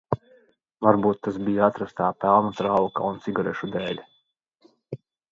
Varbūt tas bija atrastā pelnu trauka un cigarešu dēļ?